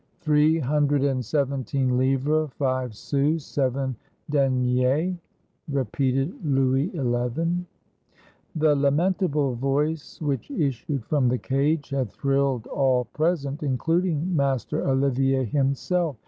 " Three hundred and seventeen livres, five sous, seven deniers!" repeated Louis XL The lamentable voice which issued from the cage had thrilled all present, including Master Olivier himself.